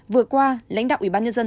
vừa qua lãnh đạo ủy ban nhân dân